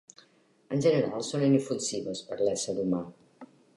En general, són inofensives per a l'ésser humà.